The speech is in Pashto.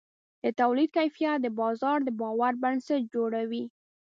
د تولید کیفیت د بازار د باور بنسټ جوړوي.